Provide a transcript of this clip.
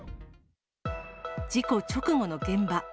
事故直後の現場。